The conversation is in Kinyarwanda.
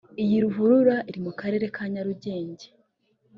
Iyi ruhurura iri mu Karere ka Nyarugenge